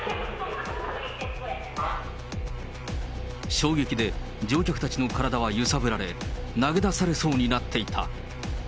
衝撃で乗客たちの体は揺さぶられ、投げ出されそうになっていた。